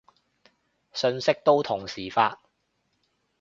信息都同時發